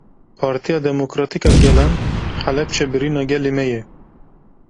Partiya Demokratîk a Gelan; Helebce birîna gelê me ye.